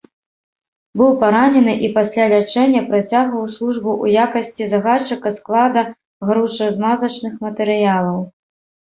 Быў паранены і пасля лячэння працягваў службу ў якасці загадчыка склада гаруча-змазачных матэрыялаў.